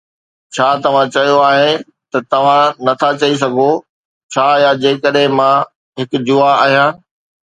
ڇا توهان چيو آهي ته توهان نٿا چئي سگهو 'ڇا يا جيڪڏهن مان هڪ جوا آهيان؟